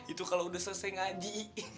itu kalau udah selesai ngaji